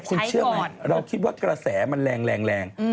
คุณเชื่อไหมเราคิดว่ากระแสมันแรง